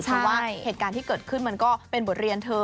เพราะว่าเหตุการณ์ที่เกิดขึ้นมันก็เป็นบทเรียนเธอ